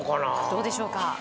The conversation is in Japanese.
どうでしょうか？